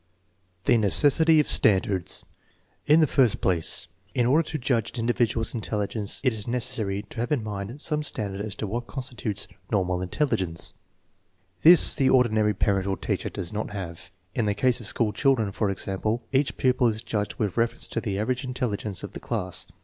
(The necessity of standards* |ln the first place, in order to judge an inoUvidual's intelligence it is necessary to have 24 THE MEASUREMENT OF INTELLIGENCE in mind some standard as to what constitutes normal in telligence. This the ordinary parent or teacher does not have. In the case of school children, for example, each pupil is judged with reference to the average intelligence of the class.